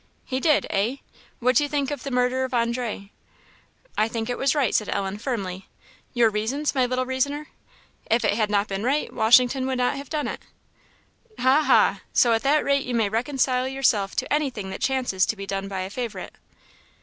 "He did? eh? What do you think of the murder of André?" "I think it was right," said Ellen, firmly. "Your reasons, my little reasoner?" "If it had not been right, Washington would not have done it." "Ha!, ha! So at that rate you may reconcile yourself to anything that chances to be done by a favourite."